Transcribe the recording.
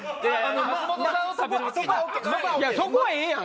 そこはええやん！